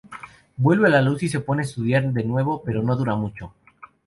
Vuelve la luz y se pone a estudiar de nuevo, pero no dura mucho.